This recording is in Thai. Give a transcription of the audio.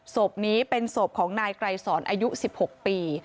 ศพนี้เป็นศพของนายไกรสอนอายุ๑๖ปี